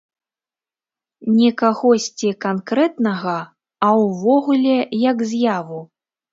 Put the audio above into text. Не кагосьці канкрэтнага, а ўвогуле як з'яву.